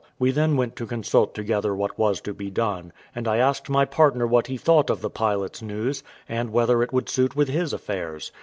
We then went to consult together what was to be done; and I asked my partner what he thought of the pilot's news, and whether it would suit with his affairs?